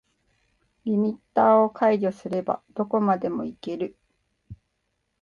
リミッターを解除すればどこまでもいける